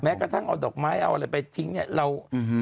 กระทั่งเอาดอกไม้เอาอะไรไปทิ้งเนี่ยเราอืม